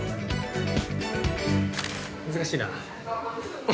◆難しいな。